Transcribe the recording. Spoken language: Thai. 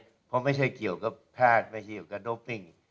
เพราะไม่ใช่เกี่ยวกับแพทย์ไม่ใช่เกี่ยวกับโดปิ้ง